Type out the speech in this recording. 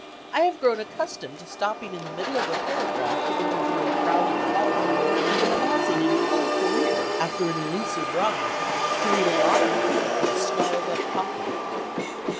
I have grown accustomed to snapping in the middle of a paragraph to interview a prowling caller, and to pausing in full career after an elusive rhyme, to read a lot of proof, and snarled up copy.